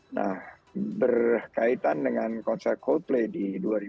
nah berkaitan dengan konser coldplay di dua ribu dua puluh